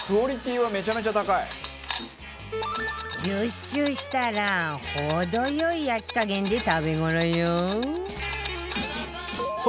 １０周したら程良い焼き加減で食べ頃よ